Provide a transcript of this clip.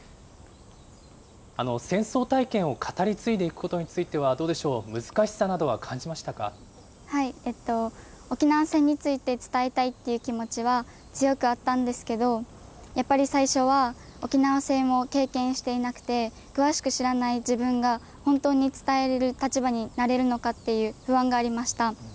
戦争体験を語り継いでいくことについては、どうでしょう、沖縄戦について伝えたいっていう気持ちは、強くあったんですけど、やっぱり最初は、沖縄戦を経験していなくて、詳しく知らない自分が本当に伝える立場になれるのかっていう不安がありました。